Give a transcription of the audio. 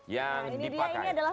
yang dipakai ini dia ini adalah